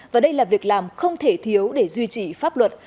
và đây là việc làm không thể thiếu để duy trì pháp luật